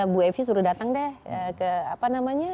bu evi suruh datang deh ke apa namanya